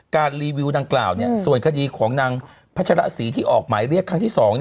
การรีวิวนางกล่าวส่วนคดีของพรัชระศรีที่ออกหมายเรียกครั้งที่สอง